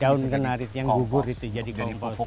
daun kenari yang gugur itu jadi kompos